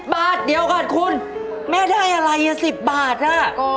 บาทเดียวก่อนคุณแม่ได้อะไร๑๐บาทน่ะ